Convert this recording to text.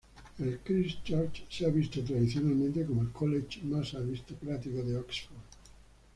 El Christ Church se ha visto tradicionalmente como el college más aristocrático de Oxford.